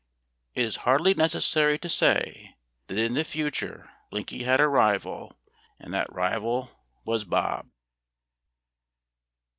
It is hardly necessary to say that in the future Blinky had a rival, and that rival was Bob.